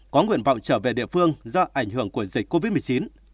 có nguyện vọng trở về địa phương do ảnh hưởng của dịch covid một mươi chín